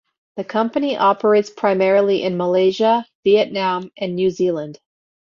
The company operates primarily in Malaysia, Vietnam, and New Zealand.